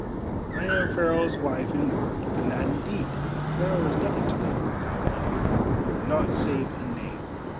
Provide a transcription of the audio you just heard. "I am Pharaoh's wife in word, but not in deed. Pharaoh is nothing to me, thou Wanderer—nought save a name."